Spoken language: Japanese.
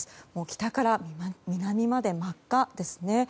北から南まで真っ赤ですね。